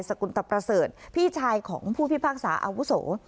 กุลตะประเสริฐพี่ชายของผู้พิพากษาอาวุโส